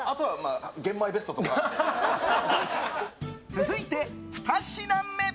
続いて、２品目。